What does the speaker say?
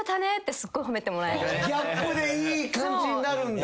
ギャップでいい感じになるんだ。